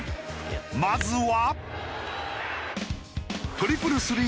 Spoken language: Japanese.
まずは。